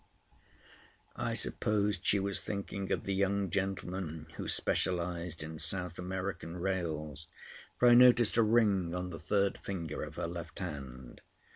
I supposed she was thinking of the young gentleman who specialised in South American rails, for I noticed a ring on the third finger of her left hand.